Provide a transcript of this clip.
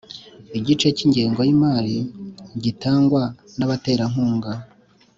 Igice cy’ingengo y’imari gitangwa n’abaterankunga